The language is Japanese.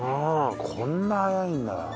こんな早いんだ。